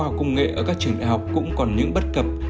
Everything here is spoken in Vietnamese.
khoa học công nghệ ở các trường đại học cũng còn những bất cập